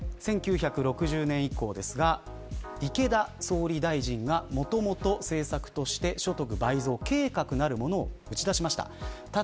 １９６０年以降池田総理大臣が、もともと政策として所得倍増計画なるものを打ち出しました。